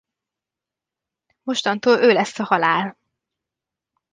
Mostantól ő lesz a Halál.